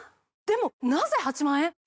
でもなぜ８万円？